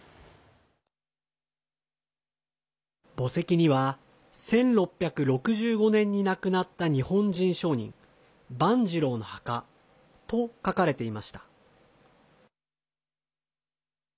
墓石には「１６６５年に亡くなった日本人商人、蕃二郎の墓」と書かれていました。